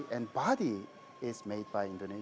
dan tubuhnya dibuat oleh